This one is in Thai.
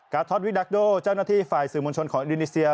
ท็อตวิดักโดเจ้าหน้าที่ฝ่ายสื่อมวลชนของอินโดนีเซีย